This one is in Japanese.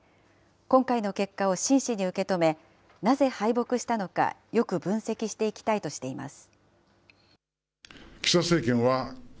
今回の結果を真摯に受け止め、なぜ敗北したのか、よく分析していきたいとしています。